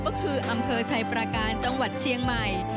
ก็คืออำเภอชัยประการจังหวัดเชียงใหม่